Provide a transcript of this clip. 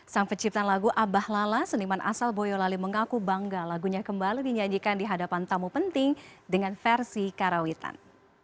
sang pencipta lagu abah lala seniman asal boyolali mengaku bangga lagunya kembali dinyanyikan di hadapan tamu penting dengan versi karawitan